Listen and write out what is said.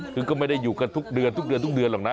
คือก็ไม่ได้อยู่กันทุกเดือนทุกเดือนทุกเดือนหรอกนะ